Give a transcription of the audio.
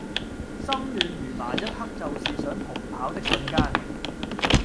心亂如麻一刻就是想逃跑的瞬間